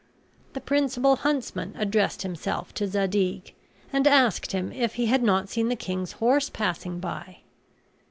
The principal huntsman addressed himself to Zadig, and asked him if he had not seen the king's horse passing by.